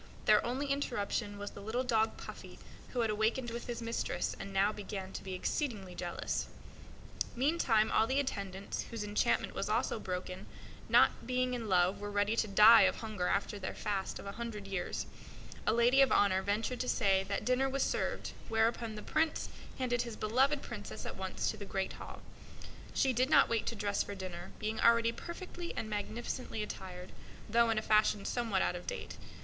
Their only interruption was the little dog Mopsey, who had awakened with his mistress, and now began to be jealous that the Princess did not notice him as much as she was wont to do. Meanwhile all the attendants, whose enchantment was also broken, not being in love, were ready to die of hunger after their fast of a hundred years. A lady of honor ventured to say that dinner was served, whereupon the Prince handed his beloved Princess at once to the great hall. She did not wait to dress for dinner, being already perfectly and magnificently attired, though in a fashion somewhat out of date.